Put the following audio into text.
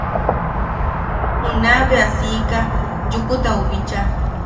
Junaʼa bea siika Yukutau bicha.